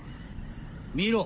見ろ